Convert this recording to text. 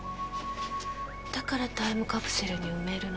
だからタイムカプセルに埋めるの。